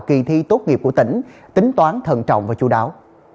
kỳ thi tốt nghiệp của tỉnh tính toán thận trọng và chú đáo